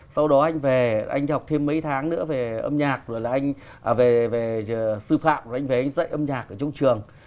sau đó anh về anh học thêm mấy tháng nữa về sư phạm rồi anh về anh dạy âm nhạc ở trong trường